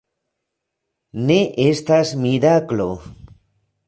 Ne estas miraklo.